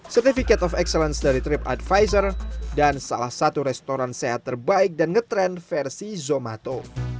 certificate of excellence dari trip advisor dan salah satu restoran sehat terbaik dan ngetrend versi zomato